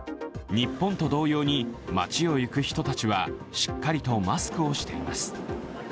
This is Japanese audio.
日本と同様に街を行く人たちはしっかりとマスクをしています。